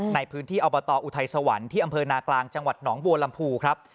ในพื้นที่อบตออุทัยสวรรค์ที่อำเภอนากลางจังหวัดหนองบัวลำพูครับ